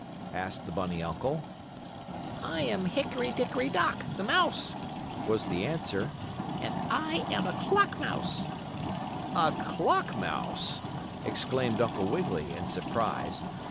asked the bunny uncle. "I am Hickory Dickory Dock, the mouse," was the answer. "And I am a clock mouse." "A clock mouse!" exclaimed Uncle Wiggily, in surprise.